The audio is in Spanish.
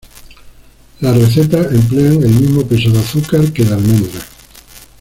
Las recetas emplean el mismo peso de azúcar que de almendras.